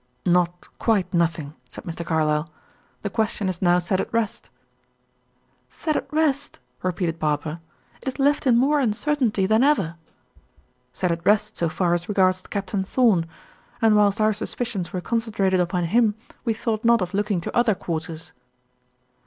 "Not quite nothing," said Mr. Carlyle. "The question is now set at rest." "Set at rest!" repeated Barbara. "It is left in more uncertainty than ever." "Set at rest so far as regards Captain Thorn. And whilst our suspicions were concentrated upon him, we thought not of looking to other quarters."